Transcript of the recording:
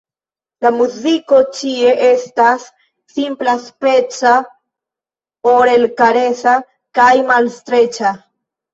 La muziko ĉie estas simplaspeca, orelkaresa kaj malstreĉa.